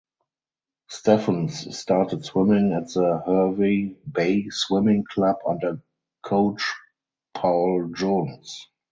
Stephens started swimming at the Hervey Bay swimming club under coach Paul Jones.